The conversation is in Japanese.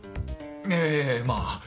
ええまあ。